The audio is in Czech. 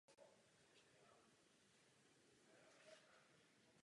První polovina dvacátého století byla ovlivněna především dvěma světovými válkami.